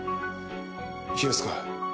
冷やすか？